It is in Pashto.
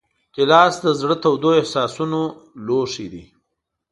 ګیلاس د زړه تودو احساسونو لوښی دی.